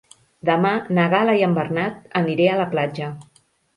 Demà na Gal·la i en Bernat aniré a la platja.